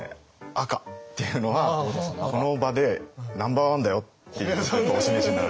赤っていうのはこの場でナンバーワンだよっていうのをお示しになられてるんですよ。